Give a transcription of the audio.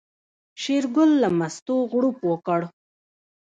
شېرګل له مستو غوړپ وکړ.